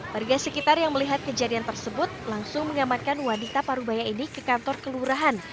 warga sekitar yang melihat kejadian tersebut langsung mengamankan wanita parubaya ini ke kantor kelurahan